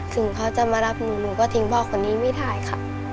ถึงเขาจะมารับหนูหนูก็ทิ้งพ่อคนนี้ไม่ได้ค่ะ